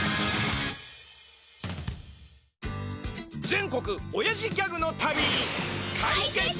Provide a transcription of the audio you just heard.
全国おやじギャグの旅！